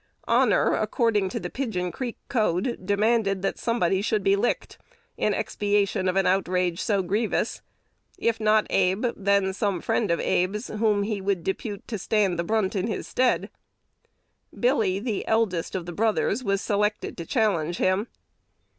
Honor, according to the Pigeon Creek code, demanded that somebody should be "licked" in expiation of an outrage so grievous, if not Abe, then some friend of Abe's, whom he would depute to stand the brunt in his stead. "Billy," the eldest of the brothers, was selected to challenge him.